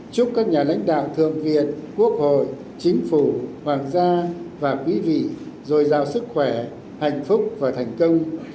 chúc các nhà lãnh đạo thượng viện quốc hội chính phủ hoàng gia và quý vị dồi dào sức khỏe hạnh phúc và thành công